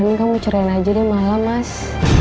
mungkin kamu curain aja deh malah mas